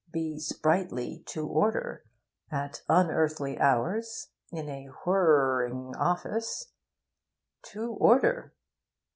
be sprightly to order, at unearthly hours in a whir r ring office? To order!